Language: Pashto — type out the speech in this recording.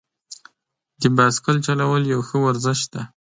د بایسکل چلول یو ښه ورزش دی.